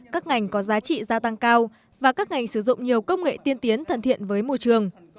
các ngành có giá trị gia tăng cao và các ngành sử dụng nhiều công nghệ tiên tiến thân thiện với môi trường